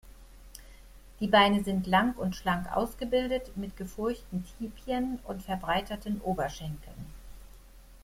Die Beine sind lang und schlank ausgebildet, mit gefurchten Tibien und verbreiterten Oberschenkeln.